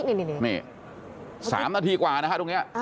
นี่๓นาทีกว่านะฮะตรงนี้